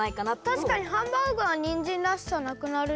たしかにハンバーグはニンジンらしさなくなるし。